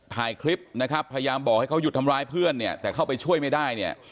ถ่ายคลิปนะครับพยายามบอกให้เขาหยุดทำร้ายเพื่อนเนี่ยแต่เข้าไปช่วยไม่ได้เนี่ย